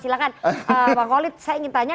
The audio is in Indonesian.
silahkan pak khalid saya ingin tanya